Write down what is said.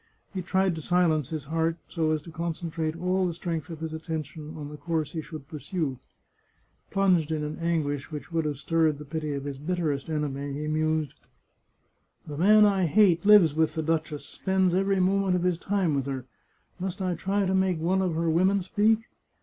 He tried to silence his heart, so as to concentrate all the strength of his attention on the course he should pursue. Plunged in an anguish which would have stirred the pity of his bitterest enemy, he mused :" The man I hate lives with the duchess, spends every moment of his time with her. Must I try to make one of her women speak?